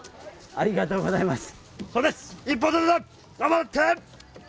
ありがとうございます。